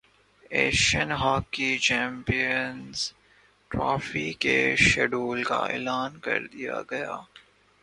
Asian hockey champions trophy کے schedule کا اعلان کردیا گیا